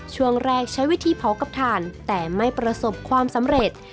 ช่วงแรกใช้วิธีเผากับถ่านแต่ไม่ประสบความสำเร็จ